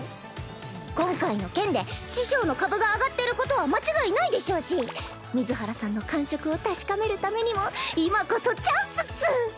今回の件で師匠の株が上がってることは間違いないでしょうし水原さんの感触を確かめるためにも今こそチャンスっス！